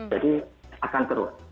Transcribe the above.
jadi akan terus